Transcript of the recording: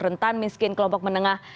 rentan miskin kelompok menengah